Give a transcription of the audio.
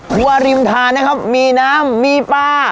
หัวริมทานนะครับมีน้ำมีปลา